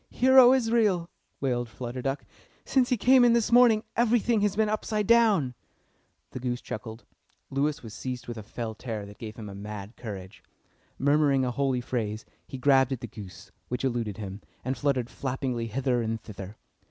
"Hear, O Israel!" wailed Flutter Duck. "Since he came in this morning everything has been upside down." The goose chuckled. Lewis was seized with a fell terror that gave him a mad courage. Murmuring a holy phrase, he grabbed at the goose, which eluded him, and fluttered flappingly hither and thither.